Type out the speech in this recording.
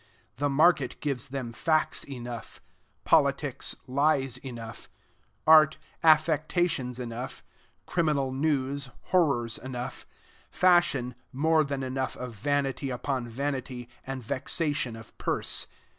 The market gives them facts enough; politics, lies enough; art, affectations enough; criminal news, horrors enough; fashion, more than enough of vanity upon vanity, and vexation of purse.